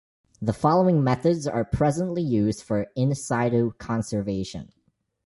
The following methods are presently used for "in situ" conservation.